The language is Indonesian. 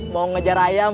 mau ngejar ayam